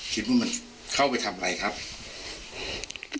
คิดว่ามันเข้าไปทำอะไรครับ